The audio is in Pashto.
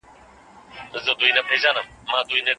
ټولنپوهنه د ټولنیز ژوند علمي مطالعه ده.